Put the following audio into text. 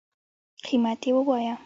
قیمت یی ووایه